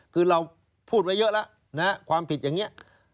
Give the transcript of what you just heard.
คือเราพูดไว้เยอะแล้วนะฮะความผิดอย่างนี้